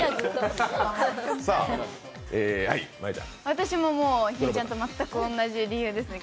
私もひぃちゃんと全く同じ理由ですね